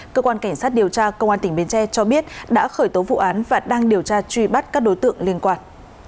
cơ quan cảnh sát điều tra công an tỉnh bến tre cho biết đã khởi tố vụ án và đang điều tra truy bắt các đối tượng liên quan